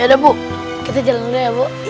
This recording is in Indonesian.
ya udah bu kita jalan dulu ya bu